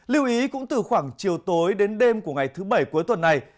lưu ý cũng từ khoảng chiều tối đến đêm của ngày thứ bảy cuối tuần này